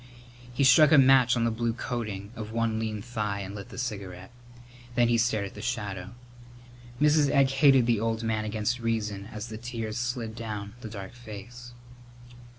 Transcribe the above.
He struck a match on the blue coating of one lean thigh and lit the cigarette, then stared at the shadow. Mrs. Egg hated the old man against reason as the tears slid down the dark face.